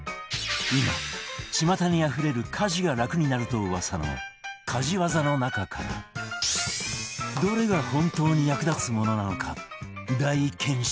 今巷にあふれる家事が楽になると噂の家事ワザの中からどれが本当に役立つものなのか大検証